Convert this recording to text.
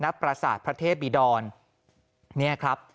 ณปราศาสตร์พระเทพบิดรเนี่ยครับ